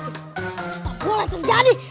itu tak boleh terjadi